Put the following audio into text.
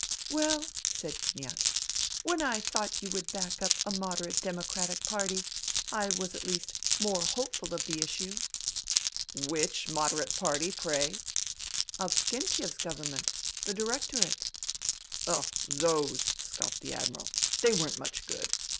'* Well," said Kniaz, " when I thought you would back up a moderate democratic party I was at least more hopeful of the issue." " Which ' moderate party,' pray ?"" Avksentiev's Government. The Directorate." "Oh, those!" scoffed the Admiral. "They weren't much good.